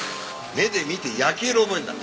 目で見て焼き色を覚えるんだ。